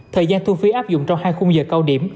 thời gian thu phí áp dụng trong hai khung giờ cao điểm